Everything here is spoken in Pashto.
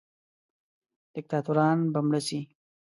دیکتاتوران به مړه سي.